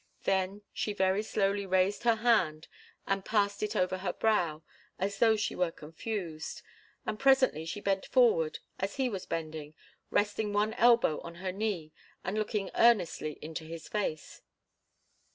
Then she very slowly raised her hand and passed it over her brow, as though she were confused, and presently she bent forward, as he was bending, resting one elbow on her knee and looking earnestly into his face.